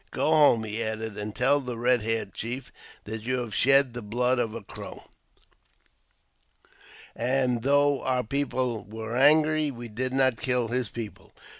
Go home," he added, " and tell the Eed haired Chief that you have shed the blood of a Crow, and, though our people were angry, we did not kill his people.